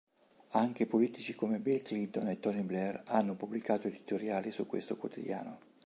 Anche politici come Bill Clinton e Tony Blair hanno pubblicato editoriali su questo quotidiano.